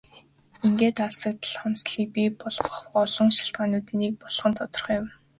Ингээд алслагдал хомсдолыг бий болгох олон шалтгаануудын нэг болох нь тодорхой юм.